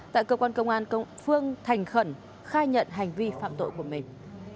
tại cơ quan công an phương thành khẩn khai nhận hành vi phạm tội của mình